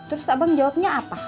terus abang jawabnya apa